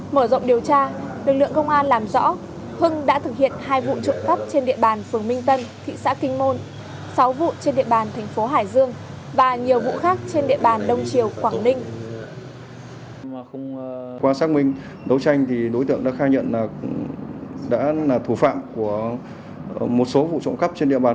mở rộng điều tra lực lượng công an làm rõ hưng đã thực hiện hai vụ trộm cắp trên địa bàn